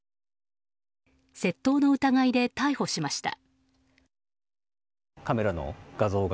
窃盗の疑いで逮捕しました。